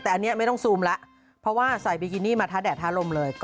แต่อันนี้ไม่ต้องซูมแล้วเพราะว่าใส่บิกินี่มาท้าแดดท้าลมเลย